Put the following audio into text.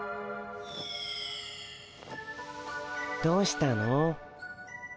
どうしたの？